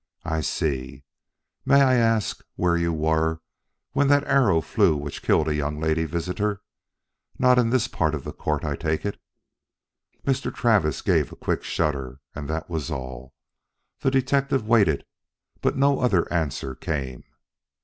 "I see. May I ask where you were when that arrow flew which killed a young lady visitor? Not in this part of the court, I take it?" Mr. Travis gave a quick shudder and that was all. The detective waited, but no other answer came.